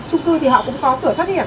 trung cư thì họ cũng có cửa thoát hiểm